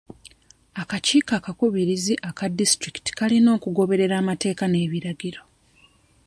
Akakiiko akakubirizi aka disitulikiti kalina okugoberera amateeka n'ebiragiro.